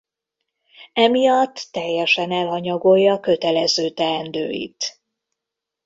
Emiatt teljesen elhanyagolja kötelező teendőit.